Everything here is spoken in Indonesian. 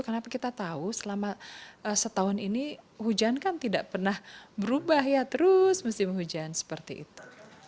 karena kita tahu selama setahun ini hujan kan tidak pernah berubah ya terus musim hujan seperti itu